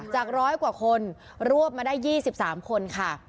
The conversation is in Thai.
จากร้อยกว่าคนรวบมาได้ยี่สิบสามคนค่ะ